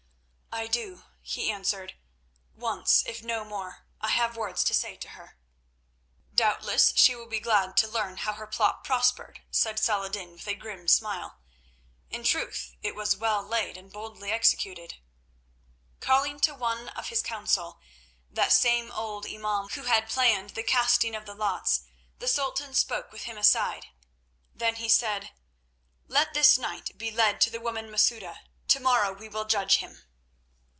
"I do," he answered, "once, if no more. I have words to say to her." "Doubtless she will be glad to learn how her plot prospered," said Saladin, with a grim smile. "In truth it was well laid and boldly executed." Calling to one of his council, that same old imaum who had planned the casting of the lots, the Sultan spoke with him aside. Then he said: "Let this knight be led to the woman Masouda. Tomorrow we will judge him."